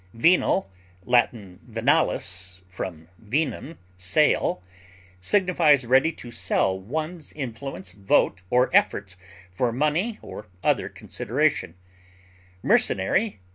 Venal (L. venalis, from venum, sale) signifies ready to sell one's influence, vote, or efforts for money or other consideration; mercenary (L.